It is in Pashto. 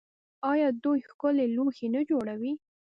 آیا دوی ښکلي لوښي نه جوړوي؟